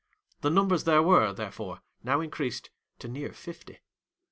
The numbers there were, therefore, now increased to near fifty.